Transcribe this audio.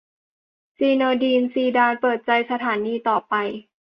ซีเนอดีน ซีดาน เปิดใจ สถานีต่อไป